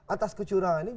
atas kecurangan ini